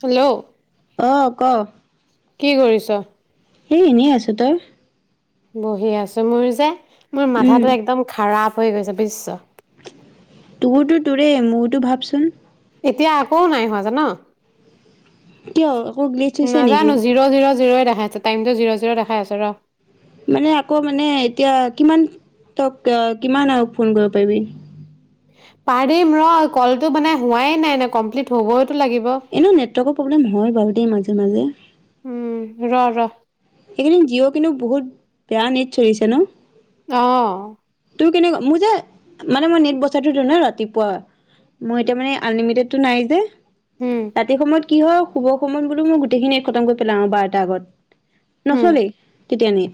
Hello অ ক' কি কৰিছ? এ এনেই আছো। তই? বহি আছো। মোৰ যে মোৰ উম। মাথাটো একদম খাৰাপ হৈ গৈছে বিশ্ব তোৰটো তোৰে, মোৰতো ভাবচোন এতিয়া আকৌ নাই হোৱা জা ন কিয় একৌ গ্লিছ হৈছে নেকি জিৰ' জিৰ' জিৰ'ই দেখাই আছে টাইম টো জিৰ' জিৰ' দেখাই আছে ৰ মানে আকৌ মানে এতিয়া কিমান তক কিমান আৰু ফোন কৰিব পাৰিবি? পাৰিম ৰ ক'লটো মানে হোৱাই নাই ন কমপ্লিট হ'ব এনেও নেটৱৰ্কৰ প্ৰব্লেম হয় বাৰু দেই মাজে মাজে উম ৰ ৰ এইকেইদিন জিঅ' কিন্তু বহুত বেয়া নেট চলিছে ন অ তোৰ কেনেকুৱা? মই যে মানে মই নেট বচাই থ দিও ন ৰাতিপুৱা। মই এতিয়া মানে আনলিমিটেডটো নাই যে উম ৰাতি সময়ত কি হয় শুভ সময়ত বোলো মই গোটেইখিনি নেট খটম কৰি পেলাও বাৰতাৰ এটা আগত উম নচলেই তেতিয়া নি?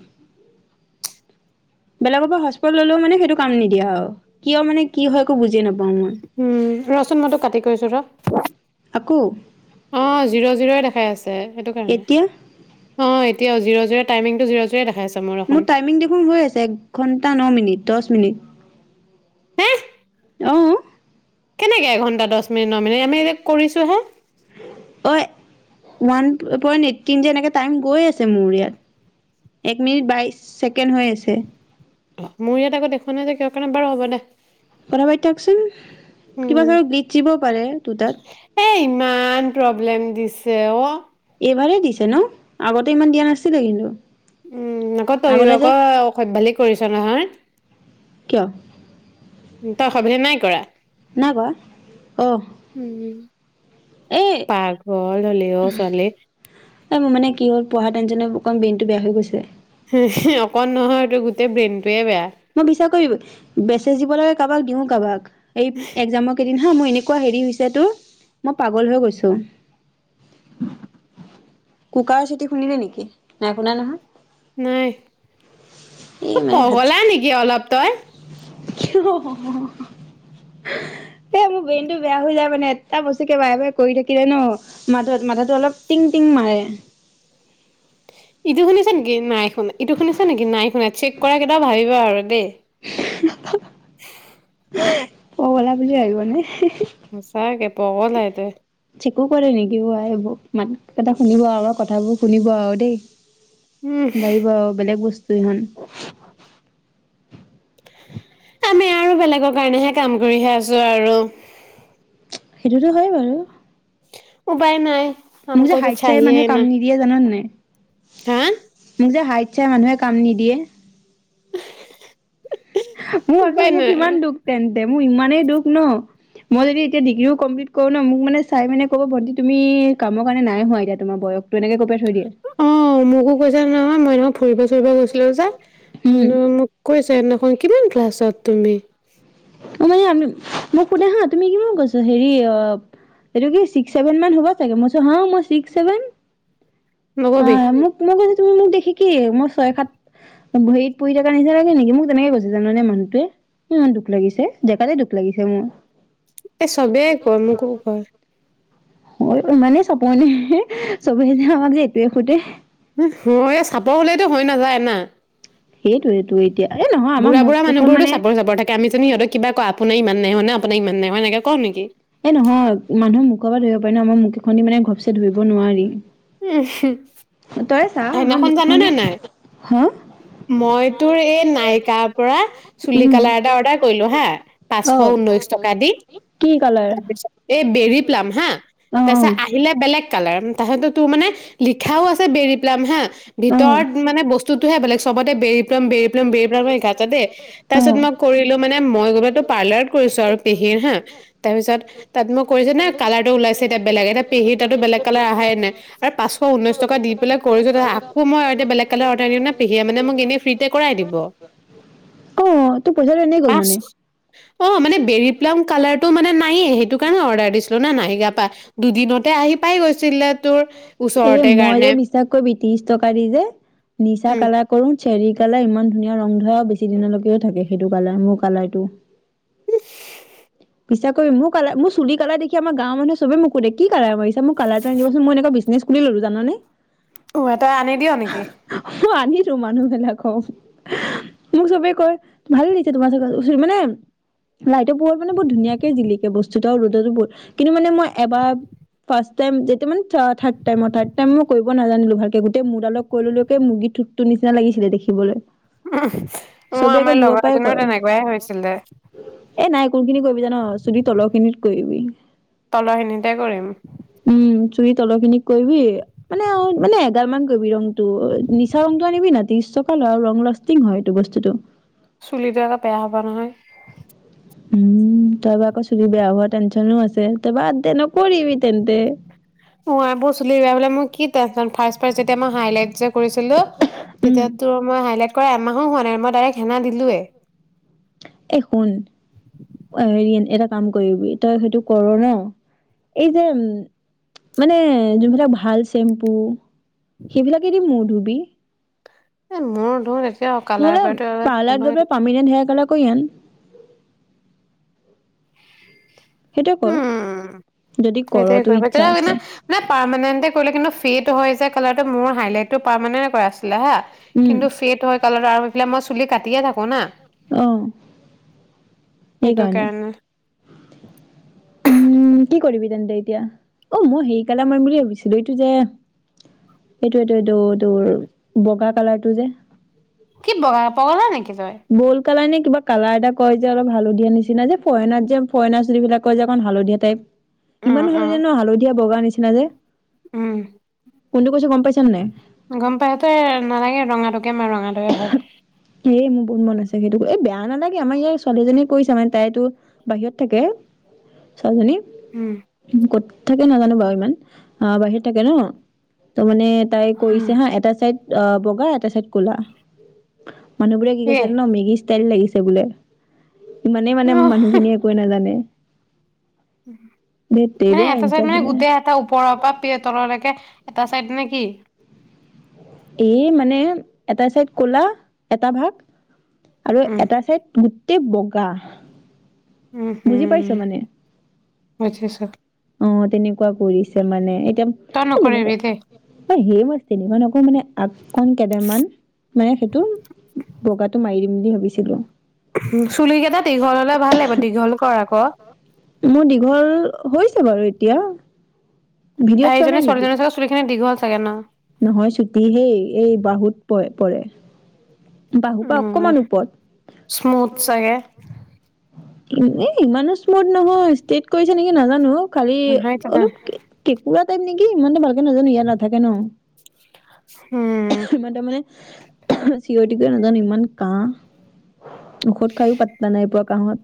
বেলেগৰ পৰা ললেও মানে সেইটো কাম নিদিয়া হয় আও, কিয় মানে কি হয় একো বুজি নাপাওঁ মই উম ৰচুন ম‌ইটোক কাটি কৰিছো ৰ, আকৌ অ জিৰ' জিৰয় দেখ হে সে সেটৌ কাৰনে, এতিয়া অ এতিয়া জিৰ জিৰ টাইমিংটো জিৰ জিৰ দেখাইছে মোৰ টাইমিং দেখোন হৈ আছে এক ঘন্টা ন মিনিট দহ মিনিট আহ কেনেকে এঘণ্টা দহ মিনিট ন মিনিট আমি এতিক কৰিছো হে অ ওৱান পইট এইটটিন যেনেকে টাইম গৈ আছে মোৰ ইয়াত এক মিনিট বাইশ ছেকেণ্ড হৈ আছে অ মোৰ ইয়াত আকৌ দেখুৱা নাই যে কৰ কাৰণে বাৰু হ'ব দে কথা পা থকচোন উম কিবা ধ গীত দিব পাৰে দুটাত মেইন প্ৰব্লেম দিছে অ এইবাৰেই দিছে ন আগতে ইমান দিয়া নাছিলে কিন্তু উম আকৌ তইও আগতে যে আকৌ অসভ্যালি কৰিছ নহয় কিয় তই অসভভ্যালি নাই কৰা নাই কৰা অ উ এই প্ঘঘল হলেও ছোৱালী এই মানে কি হ'ল টেনচনে অকণ বেইনটো বেয়া হৈ গৈছে অকণ নহয় গোটেই ব্ৰেইন মই বিচাৰ কৰিব বেচে দিব লাগে কাৰোবাক দিও কাৰোবাক এই একগজামৰ কেইদিন হা মোৰ এনেকুৱা হেৰি হৈছে তোৰ মই পাগল হৈ গৈছো কুকাৰৰ চিট শুনিলে নেকি নাই শুনা নহয় নাই অ এই মানে ভাত পগলা নেকি কি অলপ তই এ মোৰ ব্ৰেইনটো বেয়া হৈ যায় মানে এটা বস্তুকে বাৰে বাৰে কৰি থাকিলে ন মাত মাথাটো অলপ টিং টিং মাৰে ইটো শুনিছে নেকি নাই শুনা ইটো শুনিছ নেকি নাই শুনা চেক কৰা কেইটাও ভাবিবা আৰু দেই উ [unintelligible] ক গ'লা বুলি ভাবিব নে সচাগে ব লাইতে চিকো কৰে নেকি ব এইবোৰ মান এটা শুনিব আৰু কথাবোৰ শুনিব আৰু দেই উম বাৰিব বেলেগ বস্তু হ আমি আৰু বেলেগৰ কাৰণেহে কাম কৰিহে আছো আৰু সেইটোতো হয় বাৰু উভাই নাই মোক হামক যে তো হাইট চাই চাহিয়ে মানুহে না কাম নিদিয়ে জানান নাই হা মোক যে হাই আচছাই মানুহে কাম নিদিয়ে এই এশ হে মই ভাবিছো মোক ইমান দুখ তেন্তে মোৰ ইমান দুখ ন মই যদি এতিয়া ডিগ্ৰীও কমপ্লিট কৰো ন মোকানে চাই মানে ক'ব ভন্টি তুমি কামৰ কাৰণে নাই হোৱা এতিয়া তোমাৰ বয়সতো এনেকে ক অহ মোকো কৈছা নহয় মইন ফুৰিব চুৰিবলৈ গৈছিলো যে উম কি মোক কৈছা এদিখন কিমান ক্লাছত তুমি অ মানে মোক সোধে হা তুমি কি কৈছ হেৰি অ সেইটো চিক্স চেভেন মান হ'ব চাগে মই হা মই চিক্স চেভেন অ নকবি মোক মই কৈছো তুমি মোক দে কি মই ছয় সাত ভৰিত পৰি থাকা নিচিনা লাগে নেকি মোক তেনেকে কৈছে জাননে মানুহটোৱে ইমান দুখ লাগিছে জেকাতে দুখ লাগিছে মোৰ এ চবেই কয় মোকো কয় অ ইমানেই চপনে চবে যে আমাক যে এইটোৱে সোধে উম, এই চাপৰ হলেতো হৈ নাযায় না সেইটোৱেটো এতিয়া এ নহয় আমাৰ বুঢ়া মুখ বুঢ়া কেইখন মানুহবোৰো তো মানে চাপৰ চাপৰ থাকে আমি চোন সিহঁতক কিবা কোৱা আপোনাৰ ইমান নাই হ ন আপোনাক ইমান নাই মই এনেকে কম নেকি এ নহয় মানুহৰ মুখৰ পৰা ধৰিব পাৰি ন আমাৰ মুখ খনেদি মানে ঘপচে ধৰিব নোৱাৰি ঈশ [unintelligible] তই চা আমাৰ মুখ হেইদিনাখন খনি জাননে নাই হা মই তোৰ এই নাইকাৰ পৰা চুলি উম কালাৰ এটা অৰ্ডাৰ কৰিলো হা অ পাঁচশ ঊনৈশ টকা দি কি কালাৰ তাৰপিছত এই বেৰি প্লাম হা অ তাৰপিছত অ আহিলে বেলেগ কালাৰ তাৰিছতো তোৰ মানে লিখাও আছে বেৰ পলাম হা ভিতৰত মানে বস্তুটোহে বেলেগ চবতে বেৰি প্লাম বেৰি প্লাম বেৰি প্লামে লিখাআছে দেই তাৰপিছত মই কৰিলো মানে মই গ'লেতো পাৰ্লাৰত কৰিছো আৰু পেহীৰ হা তাৰ পিছত তাত মই কৈছ না কালাৰটো ওলাইছে এতিয়া বেলেগ এতিয়া পেহীৰ তাতো বেলেগ কালাৰ অহাই নাই আৰু পাঁচশ ঊনৈশ টকা দি বোলে কৰিছোঁ তাছতে আকৌ মই এটা বেলেগ কালাৰ অৰ্ডাৰ দিওঁ নহয় পেহীয়ে মানে মোক এনেই ফ্ৰিতে কৰাই‌ দিব অ তোৰ পইচাটো এনেই গ'ল মানে অ মানে বেৰি প্লাম কলাৰটো টো মানে নায়ে সেইটো কাৰণে অৰ্ডাৰ দিছিলো না নাহিলে গা পা দুদিনতে আহি পাই গৈছিলে তোৰ এ ওচৰতে মই যে কাৰণে বিশ্বাস কৰিবি ত্ৰিশ টকা দি যে নিচা উম কালাৰ কৰো চেৰিকালে ইমান ধুনীয়া ৰং ধৰা বেছি দিনলৈকেও থাকে সেইটো কালাৰ মোৰ কালাৰটো বিচ্ছাছ কৰি মোক কাল মোৰ চুলি কালাৰ দেখি আমাৰ গাঁৰ মানুহে চবে মোক সোধে কি কালাৰ কৰিছা মোক কালাৰ টো আনি দিবা চোন মই এনেকুৱা বিজনেছ খুলি ললো জানানে উ এতাই আনি দিয় নেকি আনিছো মানুহ বিলাকক মোক চবেই কয় ভালে লাগিছে তোমাৰ [unintelligible] মানে লাইটো পোহৰত মানে বহুত ধুনীয়াকে জিলিকে বস্তু ৰ'দতোহ কিন্তু মানে মই এবাৰ ফাৰ্ষ্ট টাইম এইটো মানে থা থাৰ্ট টাইম অ থাৰ্ট টাইম মই কৰিব নাজানিলো ভালকে গোটেই মোৰডালক কৰি [unintelligible] ললো মুৰ্গী ঠটো নিচিনা লাগিছিলে দেখিবলৈ উ চবে মই একে আমাৰ দূৰৰ পৰাই লগৰজনীও কয় তেনেকুৱাই হৈছিলে কোন খিনি কৰিবি জান ন চুলি তলৰ খিনিত কৰিবি তলখিনিতে কৰিম উম চুৰি তলৰ খিনিক কৰিবি মানে আও মানে এগাল মান কৰিবি ৰংটো নিচা ৰংটো আনিবি না ত্ৰিছ টকা লয় আৰু ৰং লাষ্টিং হয় এইটো বস্তুটো চুলিটো আকৌ বেয়া হব নহয় উম তাৰপৰা আকৌ চুলি বেয়া হোৱা টেনচনো আছে তাৰপৰা আ নকৰিবি তেন্তে উ আই বোৰ চুলি বেয়া হ'লে [unintelligible] তেতিয়া মই হাইলাইট যে কৰিছিলো উম তেতিয়া তোৰ মা হাইলাইট কৰা এমাহো হোৱা নাই মই ডাইৰেক্ট সেনা দিলোৱে এ শুন হেৰি এটা কাম কৰিবি তই সেইটো কৰ ন এই যে উ মানে যোনবিলাক ভাল চেম্পু সেইবিলাকেদি মোৰ ধু বি এ মোৰ ধৰ নহ'লে পাৰ্লাৰত গৈ পেলে পাৰ্মিনেন্ট হেয়াৰ কালাৰ কয়ি আন সেইটোৱে কৰ উম, যদি কৰ সেইটোৱে তোৰ ইচ্ছা কৰিব আছে নানে পাৰমানেণ্টে কৰিলে কিন্তু ফেড হয় যে কালাৰটো মোৰ হাইলাইট টো পাৰমানেন্টয়ে কৰা আছ হা উম কিন্তু ফেড হয় কালাৰটো আৰু মই চুলি কাট ৰাতিয়ে থাকো না। অ', সেইটো সেইকাৰণে কাৰণে। উম, কি কৰিবি তেন্তে এতিয়া অ', মই হেৰি কালাৰ মাৰিম বুলি ভাবিছিলো এইটো যে এইটো এইটো এইটো তোৰ বগা কালাৰটো যে কি বগা পগলা নেকি তই? বল কালাৰ নে কিবা কালাৰ এটা কয় যে অলপ হালধীয়া নিচিনা যে ফৰেনাৰ যে ফৰেনাৰ চুলি বিলাক কয় যে অকণ হালধীয়া টাইপ। ইমান উম হ'লে উম যে ন হালধীয়া বগাৰ নিচিনা যে। উম কোনটো কৈছো গম পাইছা নে নাই? গম পায় তো এ নালাগে ৰঙাটো তে মাৰ ৰঙাটোয়ে ভাল। এ মোৰ বহুত মন আছে সেইটো এ বেয়া নালাগে আমাৰ ইয়াৰ ছোৱালীজনীয়ে কৈছো মানে তাইতো বাহিৰত থাকে উম ছোৱালীজনী। ক'ত? থাকে নাজানো বাৰু ইমান। আ, বাহিৰত থাকে ন'? ত', মানে, তাই উম কৈছে হা, এটা চাইড আ, বগা। এটা চাইড ক'লা মানুহবোৰে কি কিয়ে কৈছে জান? মেগীছ তেল লাগিছে বোলে ইমানেই, মানে, মানুহখিনিয়ে একোৱেই নাজানে। ধেত মানে, তেৰিকা এটা চাইড। ইনচাল্ট মানে, দিলে গোটেই এটা ওপৰৰ পৰা পি [unintelligible] তললৈকে এটা চাইড নেকি? এই, মানে, এটা চাইড ক'লা। এটা ভাগ আৰু উম এটা চাইড গোটেই বগ গাহ উম, হ'ম। বুজিছোঁ। অ', তেনেকুৱা কৰিছে, মানে। এতিয়া এ, তই তেনেকুৱা, নকৰিবি দেই এ, সেই, মই তেনেকুৱা নকৰোঁ, মানে আচ্ছ কন কেইদেমান মানে সেইটো বগাটো মাৰি দিব বুলি ভাবিছিলো চুলি কেইটা দীঘল হলে ভাল লাগিব দীঘল কৰ আকৌ মোৰ দীঘল হৈছে বাৰু এতিয়া ভিডিঅ'ত চোৱা নাই দাইজনী নেকি ছোৱালিজনী চাগে চুলিখিনি দীঘল তাকে ন নহয় ছুটি হেই এই বাহুত প পৰে বাহুৰ উ পৰা অকমান ওপৰত স্মুথ চাগে ইমানো স্মুথ নহয় ষ্টেট কৰিছে নেকি নাজানো খালি নহয় জানো? অলপকেকুৰা টাইপ নেকি কি ইমানটো ভালকে নাজানো ইয়াত নাথাকে ন উম চিঞতিকে নাজানো ইমান কাহ ঔষধ খাইো পাতলা নাই পৰা কাহঁত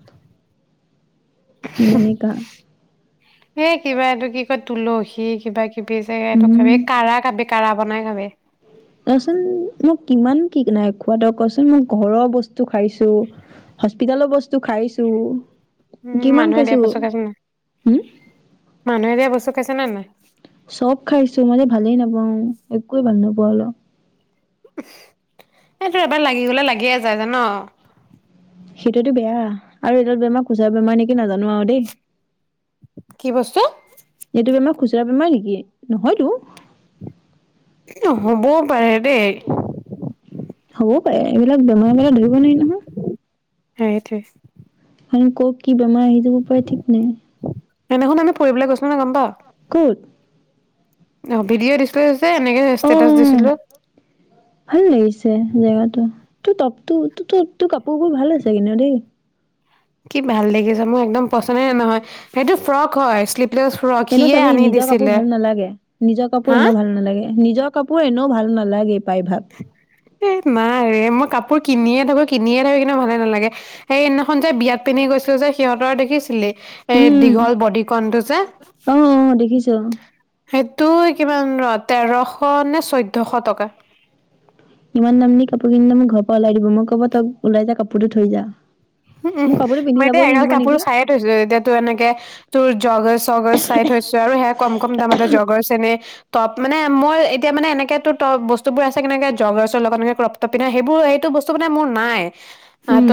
এ কিবা এইটো কি তুলসী কিবা কিবি উম [unintelligible] কঢ়া বনাই খামে কোৱাচোন মোক কিমান কি নাই খোৱাটো কচোন মোক ঘৰৰ বস্তু খাইছো হস্পিতেলৰ বস্ত বস্তু খাইছো উম কিমান মানুহে খাইছো দিয়া বস্তু খাইছ ন হম মানুহে দিয়া বস্তু কছে আছে নে নাই চব খাইছো মইযে ভালেই নাপাওঁ একোৱে ভাল নোপোৱাওঁ অলপ এইটো এবাৰ লাগি গলে লাগিয়ে যায় জান সেইটোতো বেয়া আৰু এইডাল বেমাৰ খোচৰা বেমাৰ নেকি নাজানো আৰু দেই কি বস্তু এইটো বেমাৰ খুচুৰা বেমাৰ নেকি নহয়তো হ'বও পাৰে দেই হ'ব পাই এইবিলাক বেমাৰ মানে ধৰিব নোৱাৰি নহয় সেইটোৱে হকক কি বেমাৰ আহি যাব পাৰে ঠিক নাই সেইদিনাখন আমি ফুৰিবলৈ গৈছিলো নহয় গম পাৱ? ক'ত অ ভিডিঅ' দিছলো অ ভাল লাগিছে জেগাটো তোৰ তপতো ত ত তোৰ কাপোৰ কাপোৰ ভাল আছে কি ন দেই। কি ভাল দেখিছ মোৰ একদম পচন্দে নে নহয় সেইটো ফ্ৰক হয় শ্লিভলেছ ফ্ৰক এনেও সিয়ে চাবি আনি নিজৰ কাপোৰ দিছিলে। ভাল নালাগে নিজৰ কাপোৰ হা এনেও ভাল নালাগে নিজৰ কাপোৰ এনেও ভাল নালাগে। প্ৰায়ভাগ এ নাই ৰে মই কাপোৰ কিনিয়ে থাকো কিনিয়ে থাকো কিন্তু ভালে নালাগে সেই সদিনাখন যে বিয়াত পিন্ধি গৈছিলো যে সিহঁতৰ দেখিছিলি এই উম দীঘল বডিকণ টো যে অ দেখিছো অ সেইটো কিমান ৰ তেৰ শ‌‌ নে চো ইমান দামী কাপোৰ কিনিলে মোৰ ঘৰ ওলাই দিব মই ক'ব তই ওলাই যা কাপোৰটো থৈ যা। উম উম মোক কাপোৰটো পিন্ধি মই এতিয়া যাবই এগাল নিদিব কাপোৰ নেকি চাইয়ে থৈছো এতিয়া তোৰ এনেকে তোৰ জৰ্গছ চৰ্গছ চাই থৈছো আৰু সেয়া কম কম দামতে জৰ্গছ এনে টপ মানে মই এতিয়া মানে এনেক তো ত বস্তু বোৰ আছে কেনেকে জগৰ্ছৰ লগত ত পিন্ধা সেইবোৰ সেইটো বস্তু মানে মোৰ নাই। আত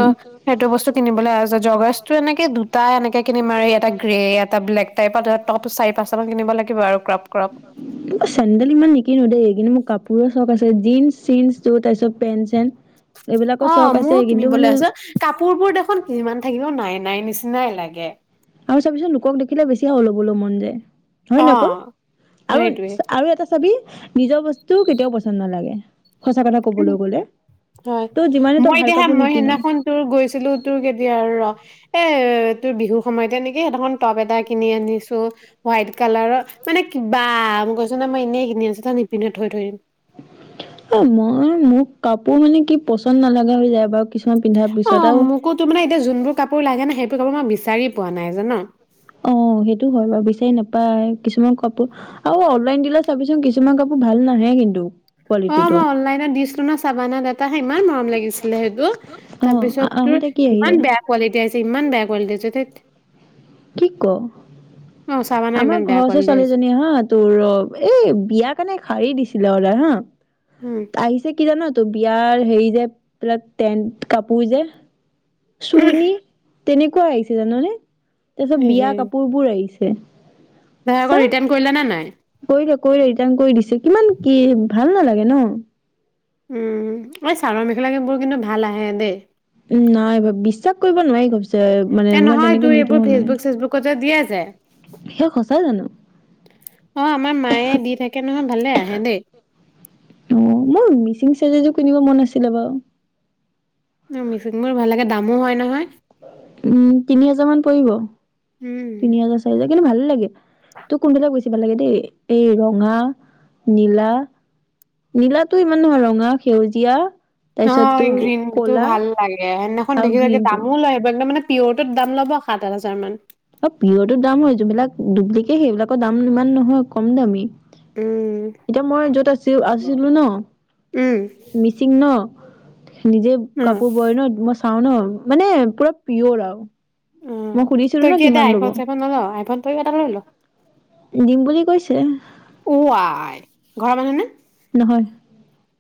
সেইটো বস্তু কিনিব আহ জগছটো এনেকে দুটা এনেকে কিনি মাৰি এটা গ্ৰে এটা ব্লেক টাইপ টপ চাৰি পাঁচটা মান কিনিব লাগিব আৰু ক্ৰপ ক্ৰপ। জিন্ চিন্ য তাৰ চব পেন্ চেন এইবিলাকৰ অ চখ আছে মোৰো কিন্তু মানে কিনিবলৈ আছে কাপোৰ বোৰ দেখোন যিমান থাকিলো নাই নাই নিচিনাই লাগে আৰু চাবিচুন পিছত লোকক দেখিলে বেছি হ'ল হ'বলৈ মন যায় অ হয় নকৌ আৰু সেইটোৱে আৰু এটা চাবি নিজৰ বস্তু কেতিয়াও পচন্দ নালাগে সঁচা কথা কবলৈ গ'লে হয় তই যিমানে তই মই ভাল এতিয়া হা কাপোৰ মই নিকিন সিনাখন তোৰ গৈছিলো তোৰ কেতিয়া আৰু ৰ তোৰ বিহুৰ সময়তে নেকি সেইখন টপ এটা কিনি আনিছো হোৱাইট কালাৰৰ মানে কি বা গৈছ ন মই এনেই [unintelligible] আছ [unintelligible] থৈ থৈ দিম [unintelligible] অঁ, মই মোক কাপোৰ মানে কি পচন্দ নালাগা হৈ যায়! এবাৰ অঁ, মোকো তো মানে এতিয়া জোনবোৰ কাপোৰ লাগে ন, সেইবোৰ কাপোৰ মই বিচ চাৰি পোৱা নাই, জানা! অঁ সেইটো হয় বাৰু, বিচাৰি না পাই কিছুমান কাপোৰ আৰু অনলাইন দিলে চাবিচোন কিছুমান কাপোৰ ভাল নাহে কিন্তু। অঁ কোৱালিটিটো মই অনলাইনত দিছিলো ন চাবানাত এটা হে, ইমান মৰম লাগিছিলে সেইটো, অ তাৰপিছত তোৰ আহোতে কি ইমান আহিলে বেয়া কোৱালিটি আহিছে ইমান বেয়া কোৱালিটি আহিছে কি ক! অ চাবানা আমাৰ ইমান বেয়া ঘৰৰ ওচৰৰ কোৱালিটি আহিছে ছোৱালীজনীয়ে হা তোৰ এই বিয়া কাৰণে শাৰী দিছে [unintelligible] অৰ্ডাৰ হা উম আহিছে কি জান ত বিয়াৰ হেৰি যে পিলাক টেন্ট কাপোৰ যে চুৰনি তেনেকুৱা আহিছে, জাননে! তাৰ পিছত এহে বিয়া কাপোৰ বোৰ আহিছে তই আকৌ ৰিটাৰ্ণ কৰিলা নে নাই [inaudible] কৰি লে কৰি লে ৰিটাৰ্ণ কৰি দিছে কিমান কি ভাল নালাগে ন! উম, এই চাদৰ মেখেলা বোৰ কিন্তু ভাল আহে দেই। নাই বাৰু বিশ্বাস কৰিব নোৱাৰি মানে এ মই নহয়, তেনেকে তোৰ নিদো এইবোৰ অনলাইন। ফেচবুক চেচবুকতযে দিয়ে যে! সেই সঁচা জানো অঁ আমাৰ মায়ে দি থাকে নহয়, ভালে আহে দেই। অ মোৰ মিচিং চাইজ এযোৰ কিনিব মন আছিলে বাৰু। মিচিং মোৰ ভাল লাগে! দামো হয় নহয়? উম তিনি হাজাৰ মান পৰিব। উম তিনি হাজাৰ চাৰি হাজাৰ কিন্তু ভাল লাগে তোৰ কোনবিলাক গৈ [unintelligible] লাগে দেই এই ৰঙা নীলা নীলাটো ইমান নহয় ৰঙা সেউজীয়া অ তাৰপিছত তোৰ গ্ৰীণতটো কলা ভাল লাগে সেইদিনাখন আৰু দেখি [unintelligible] গ্ৰীণটো দামো লয় [unintelligible] মানে পিয়ৰটোত দাম ল'ব সাত আঠ হাজাৰ মান। ও পিয়ৰটো দাম হয়, যোনবিলাক ডুপ্লিকেট সেইবিলাকৰ দাম ইমান নহয়, কম দামী! উম, এতিয়া মই য'ত আছিল আছিলো ন, উম, মিচিং ন নিজে উম, কাপোৰ বয় ন, মই চা খাও ন, মানে পুৰা পিয়ৰ আৰু। উ, মই সুধিছিলো তই ন কি এতিয়া কিমান ল'ব আইফোন চাইফোন নলো? আইফন তই এটা লৈ ল! দিম বুলি কৈছে ওঁ আই, ঘৰৰ মানুহ নে? হয় [inaudible]